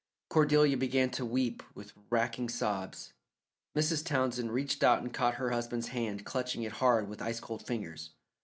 Cordelia began to weep with racking sobs. Mrs. Townsend reached out and caught her husband's hand, clutching it hard with ice cold fingers.